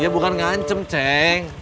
iya bukan ngancem ceng